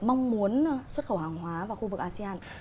các doanh nghiệp mong muốn xuất khẩu hàng hóa vào khu vực asean